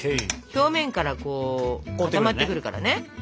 表面からこう固まってくるからね。